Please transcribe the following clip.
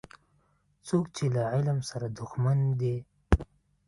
څوک چي له علم سره دښمن دی